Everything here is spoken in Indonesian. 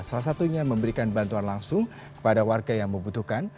salah satunya memberikan bantuan langsung kepada warga yang membutuhkan